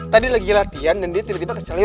tadi lagi latihan dan dia tiba tiba kecelik